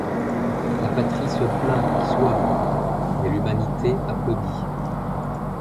La patrie se plaint, soit; mais l'humanité applaudit.